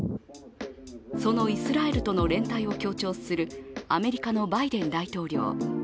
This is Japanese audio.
そのイスラエルとの連帯を強調するアメリカのバイデン大統領。